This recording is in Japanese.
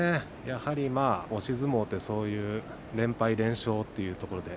やはり、押し相撲はそういう連敗、連勝というところで